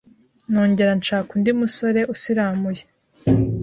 nongera nshaka undi musore usiramuye